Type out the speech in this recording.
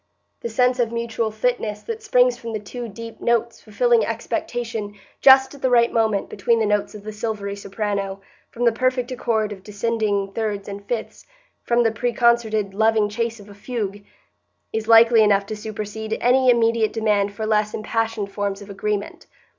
The sense of mutual fitness that springs from the two deep notes fulfilling expectation just at the right moment between the notes of the silvery soprano, from the perfect accord of descending thirds and fifths, from the preconcerted loving chase of a fugue, is likely enough to supersede any immediate demand for less impassioned forms of agreement.